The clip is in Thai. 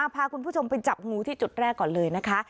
พาคุณผู้ชมไปจับงูที่จุดแรกก่อนเลยนะคะ